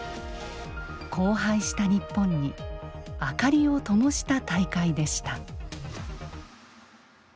荒廃した日本に明かりをともした大会でした。